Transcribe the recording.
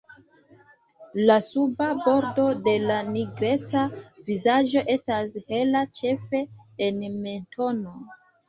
La suba bordo de la nigreca vizaĝo estas hela ĉefe en mentono.